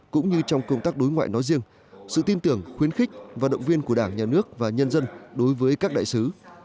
cũng như trong công tác đối ngoại nói riêng sự tin tưởng khuyến khích và động viên của đảng nhà nước và nhân dân đối với các đại sứ